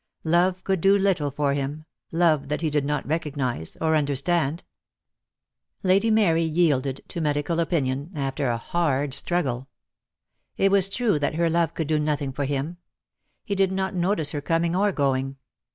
Love could do little for him, love that he did not recognise or understand. DEAD LOVE HAS CHAINS. §1 Lady Mary yielded to medical opinion, after a hard struggle. It was true that her love could do nothing for him. He did not notice her coming or going.